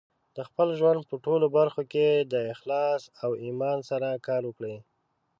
د خپل ژوند په ټولو برخو کې د اخلاص او ایمان سره کار وکړئ.